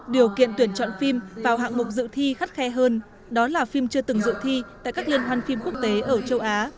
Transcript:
điều kiện tuyển chọn phim vào hạng mục dự thi khắt khe hơn đó là phim chưa từng dự thi tại các liên hoàn phim quốc tế ở châu á